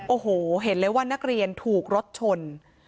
โอ้โหเห็นเลยว่านักเรียนถูกรถชน